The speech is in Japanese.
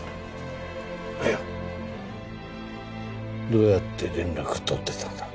どうやって連絡をとってたんだ？